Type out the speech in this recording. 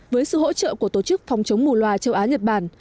với sự hỗ trợ của tổ chức phòng chống mù loà châu á nhật bản